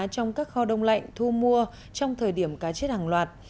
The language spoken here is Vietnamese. trong các kho đông lạnh thu mua trong thời điểm cá chết hàng loạt